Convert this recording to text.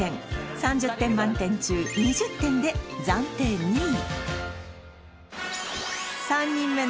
３０点満点中２０点で暫定２位！